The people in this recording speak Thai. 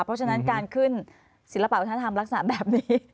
เพราะฉะนั้นการขึ้นศิลปะวัฒนธรรมลักษณะแบบนี้